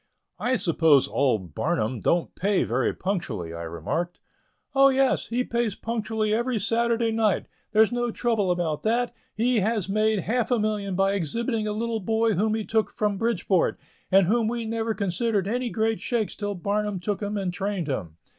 "I suppose old Barnum don't pay very punctually," I remarked. "Oh, yes, he pays punctually every Saturday night there's no trouble about that; he has made half a million by exhibiting a little boy whom he took from Bridgeport, and whom we never considered any great shakes till Barnum took him and trained him."